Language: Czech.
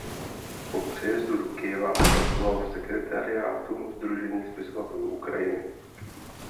Po přejezdu do Kyjeva pracoval v sekretariátu Sdružení spisovatelů Ukrajiny.